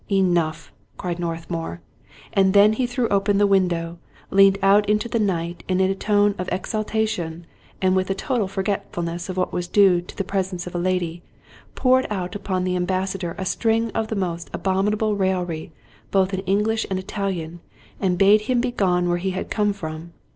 " Enough," cried Northmour ; and then he threw open the window, leaned out into the night, and in a tone of exulta tion, and with a total forgetfulness of what was due to the presence of a lady, poured out upon the ambassador a string of the most abominable raillery both in English and Italian, and bade him be gone where he had come from.